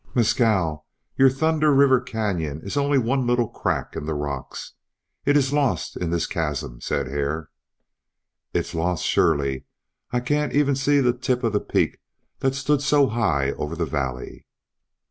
"Mescal, your Thunder River Canyon is only one little crack in the rocks. It is lost in this chasm," said Hare. "It's lost, surely. I can't even see the tip of the peak that stood so high over the valley."